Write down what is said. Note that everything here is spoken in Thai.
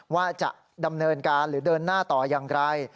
ว่าจะดำเนินการหรือเดินหน้าต่ออย่างไร